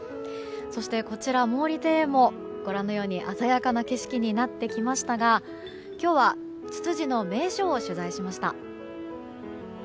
そしてこちら、毛利庭園も鮮やかな景色になってきましたが今日はツツジの名所を取材しました。